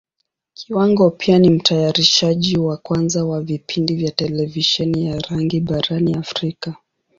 Kiwango pia ni Mtayarishaji wa kwanza wa vipindi vya Televisheni ya rangi barani Africa.